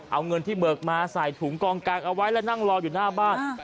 เอาเงินที่เบิกมาใส่ถุงกองกลางเอาไว้และนั่งรออยู่หน้าบ้าน